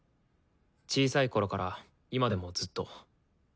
小さいころから今でもずっと。